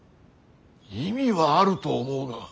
意味はあると思うが。